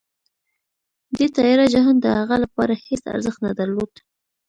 دې تیاره جهان د هغه لپاره هېڅ ارزښت نه درلود